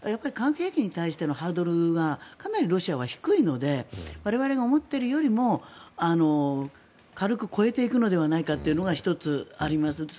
化学兵器に対してのハードルはかなりロシアは低いので我々が思っているよりも軽く超えていくのではないかというのが１つ、あります。